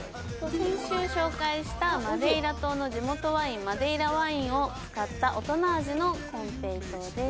先週紹介したマデイラ島の地元ワインマデイラワインを使った大人味の金平糖です